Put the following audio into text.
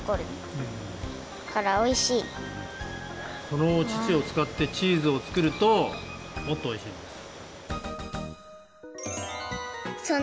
このお乳をつかってチーズを作るともっとおいしいんです！